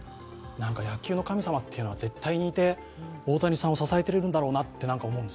野球の神様ってのは絶対いて、大谷さんを支えてるんだろうなと。